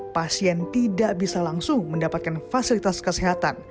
pasien tidak bisa langsung mendapatkan fasilitas kesehatan